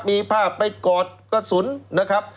มีภาพไปกอดกระสุนนะครับ